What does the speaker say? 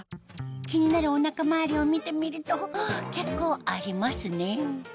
気になるお腹周りを見てみると結構ありますね